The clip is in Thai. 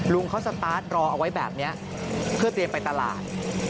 ลุงเขาสตาร์ทรอเอาไว้แบบนี้เพื่อเตรียมไปตลาด